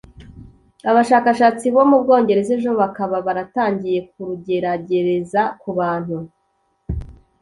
Abashakashatsi bo mu Bwongereza ejo bakaba baratangiye kurugeragereza ku bantu